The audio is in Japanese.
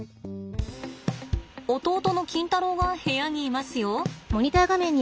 弟のキンタロウが部屋にいますよ。